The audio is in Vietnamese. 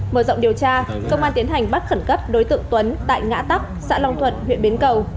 mở rộng điều tra công an tiến hành bắt khẩn cấp đối tượng tuấn tại ngã tóc xã long thuận huyện bến cầu